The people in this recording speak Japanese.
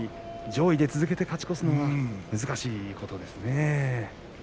上位で続けて勝ち越すというのは難しいことですね。